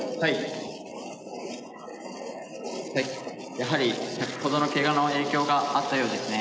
やはり先ほどのケガの影響があったようですね。